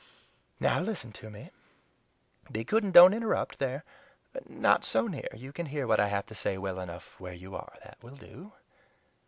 "Now listen to me be good and don't interrupt! There! not so near; you can hear what I have to say well enough where you are. That will do."